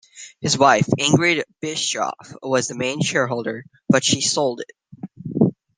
His wife Ingrid Bischoff was the main shareholder, but she sold it.